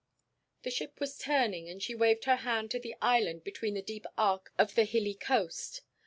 The ship was turning, and she waved her hand to the island between the deep arc of the hilly coast.